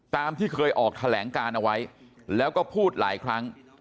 ตามที่เคยออกแถลงการเอาไว้แล้วก็พูดหลายครั้ง